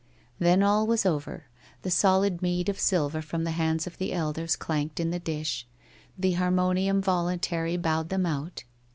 Then all was over; the solid meed of silver from the hands of the elders clanked in the dish ... the har monium voluntary bowed them out.